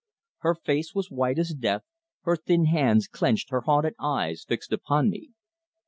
Her face was white as death, her thin hands clenched, her haunted eyes fixed upon me.